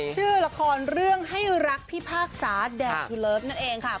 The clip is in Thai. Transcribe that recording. ชื่อละครเรื่องให้รักพิพากษาแดงชุเลิฟนั่นเองค่ะ